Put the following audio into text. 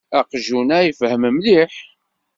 Aqjun-a ifehhem mliḥ.